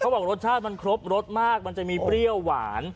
บอกรสชาติมันครบรสมากมันจะมีเปรี้ยวหวาน